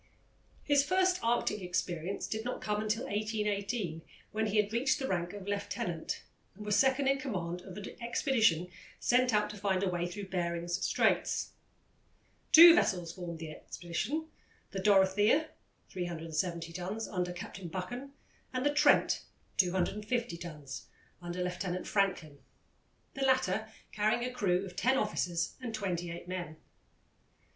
His first Arctic experience did not come until 1818, when he had reached the rank of lieutenant and was second in command of an expedition sent out to find a way through Behring's Straits. Two vessels formed the expedition the Dorothea, 370 tons, under Captain Buchan, and the Trent, 250 tons, under Lieutenant Franklin, the latter carrying a crew of ten officers and twenty eight men.